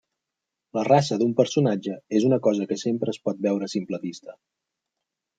La raça d'un personatge és una cosa que sempre es pot veure a simple vista.